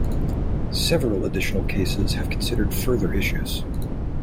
Several additional cases have considered further issues.